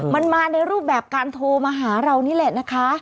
มันมาในรูปแบบการโทรมาหาเรานี่แหละนะคะ